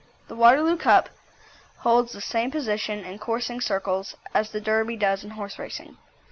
The Waterloo Cup holds the same position in coursing circles as the Derby does in horse racing.